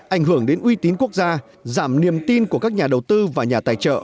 ảnh hưởng đến uy tín quốc gia giảm niềm tin của các nhà đầu tư và nhà tài trợ